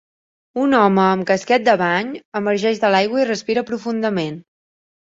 Un home amb casquet de bany emergeix de l'aigua i respira profundament.